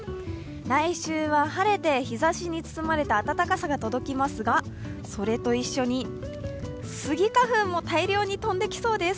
来週は晴れて日ざしに包まれた暖かさが届きますが、それと一緒にスギ花粉も大量に飛んできそうです。